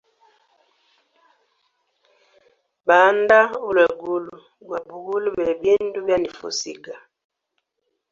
Banda ulwegulu gwa bugule bebindu byanifa usiga.